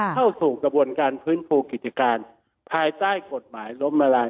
เข้าสู่กระบวนการฟื้นฟูกิจการภายใต้กฎหมายล้มละลาย